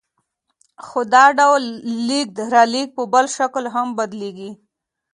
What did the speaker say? خو دا ډول لېږد رالېږد په بل شکل هم بدلېږي